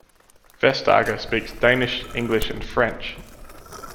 Vestager speaks Danish, English and French.